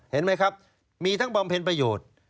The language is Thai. เห็นไหมครับมีทั้งบำเพ็ญประโยชน์